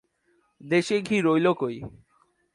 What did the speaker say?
দেশে ঘি রহিল কই?